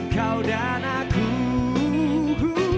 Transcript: kau dan aku